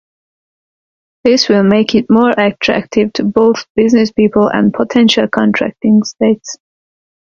This will make it more attractive to both business people and potential Contracting States.